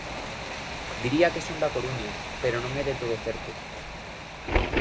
Diría que son da Coruña pero non é de todo certo.